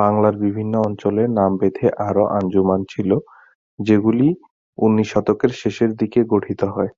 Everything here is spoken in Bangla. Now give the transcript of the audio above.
বাংলার বিভিন্ন অঞ্চলে নামভেদে আরও আঞ্জুমান ছিল যেগুলি ঊনিশ শতকের শেষের দিকে গঠিত হয়।